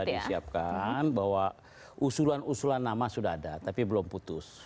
sudah disiapkan bahwa usulan usulan nama sudah ada tapi belum putus